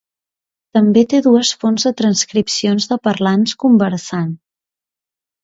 També té dues fonts de transcripcions de parlants conversant.